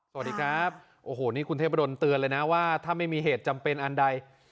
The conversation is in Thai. สวัสดีครับโอ้โหนี่คุณเทพดนเตือนเลยนะว่าถ้าไม่มีเหตุจำเป็นอันใด